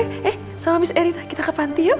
eh sama habis erina kita ke panti yuk